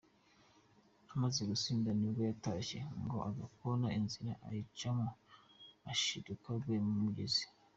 Amaze gusinda ni bwo yatashye ngo aza kubona inzira ayiciyemo ashiduka aguye mu mugezi.